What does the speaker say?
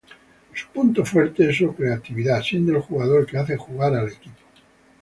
Su punto fuerte es su creatividad, siendo el jugador que hace jugar al equipo.